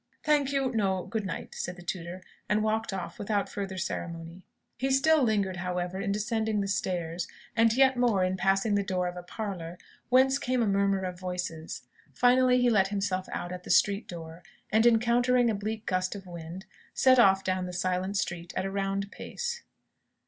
"Thank you, no. Good night," said the tutor, and walked off without further ceremony. He still lingered, however, in descending the stairs; and yet more in passing the door of a parlour, whence came a murmur of voices. Finally, he let himself out at the street door, and encountering a bleak gust of wind, set off down the silent street at a round pace.